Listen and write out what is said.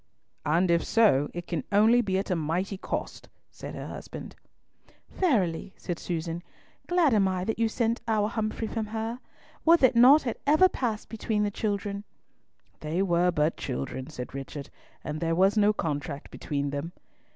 "And if so, it can only be at a mighty cost!" said her husband. "Verily," said Susan, "glad am I that you sent our Humfrey from her. Would that nought had ever passed between the children!" "They were but children," said Richard; "and there was no contract between them."